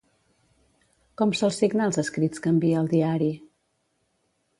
Com sol signar els escrits que envia al diari?